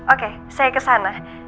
oke saya kesana